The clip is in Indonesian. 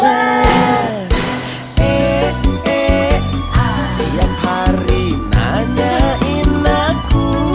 eh eh tiap hari nanyain aku